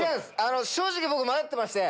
正直僕迷ってまして。